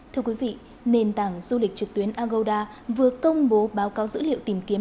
thưa quý vị nền tảng du lịch trực tuyến agoda vừa công bố báo cáo dữ liệu tìm kiếm